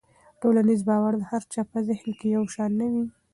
ټولنیز باور د هر چا په ذهن کې یو شان نه وي.